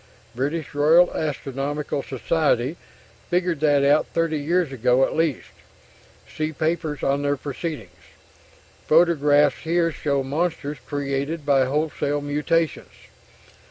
British Royal Astronomical Society figured that out 30 years ago at least ... see papers on their proceedings ... photographs here show monsters created by wholesale mutations